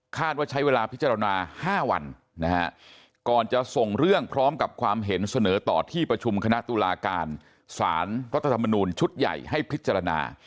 ว่าใช้เวลาพิจารณา๕วันนะฮะก่อนจะส่งเรื่องพร้อมกับความเห็นเสนอต่อที่ประชุมคณะตุลาการสารรัฐธรรมนูญชุดใหญ่ให้พิจารณา